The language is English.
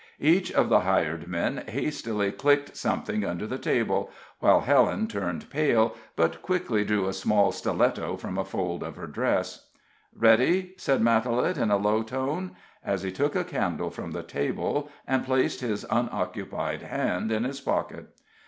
Each of the hired men hastily clicked something under the table, while Helen turned pale, but quickly drew a small stiletto from a fold of her dress. "Ready?" asked Matalette, in a low tone, as he took a candle from the table, and placed his unoccupied hand in his pocket.